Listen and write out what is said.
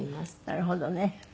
なるほどね。